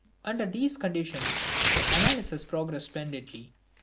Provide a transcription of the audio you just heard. Under these conditions analysis progressed splendidly.